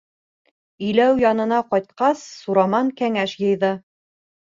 ... Иләү янына ҡайтҡас, Сураман кәңәш йыйҙы.